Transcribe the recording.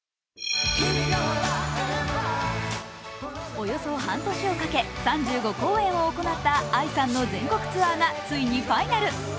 およそ半年をかけ３５公演を行ったＡＩさんの全国ツアーがついにファイナル。